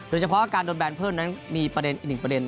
โดยเฉพาะการโดนแบนเพิ่มมีอีก๑ประเด็น